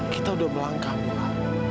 kita udah melangkah mila